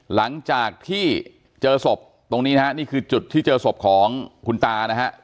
หลังจากที่เจอศพตรงนี้นะฮะนี่คือจุดที่เจอศพของคุณตานะฮะ